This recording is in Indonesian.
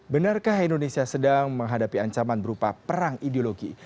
benarkah indonesia sedang menghadapi ancaman berupa perang ideologi